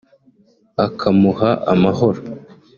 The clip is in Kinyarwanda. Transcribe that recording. akamuha amahoro